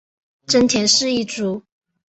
真田氏一族。